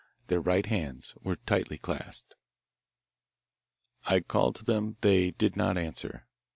Their right hands were tightly clasped. "'I called to them. They did not answer.